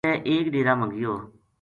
اگے ایک ڈیرا ما گیو